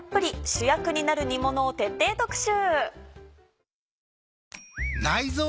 主役になる煮ものを徹底特集。